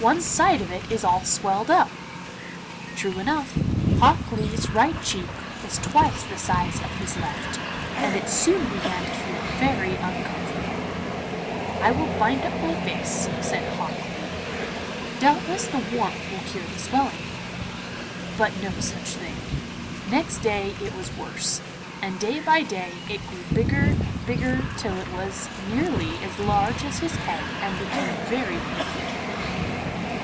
One side of it is all swelled up.' True enough, Hok Lee's right cheek was twice the size of his left, and it soon began to feel very uncomfortable. 'I will bind up my face,' said Hok Lee; 'doubtless the warmth will cure the swelling.' But no such thing. Next day it was worse, and day by day it grew bigger and bigger till it was nearly as large as his head and became very painful.